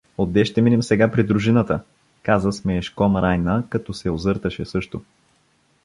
Отде ще минем сега при дружината… — каза смеешком Райна, като се озърташе също.